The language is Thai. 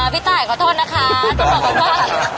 พี่ตายขอโทษนะครับ